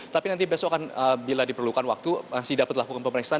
tapi nanti besok akan bila diperlukan waktu masih dapat dilakukan pemeriksaan